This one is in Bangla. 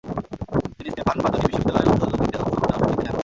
তিনি স্তেফান বাতোরি বিশ্ববিদ্যালয়ের উদ্বোধনীতে অংশগ্রহণে অস্বীকৃতি জানান।